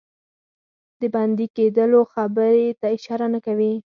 د بندي کېدلو خبري ته اشاره نه کوي.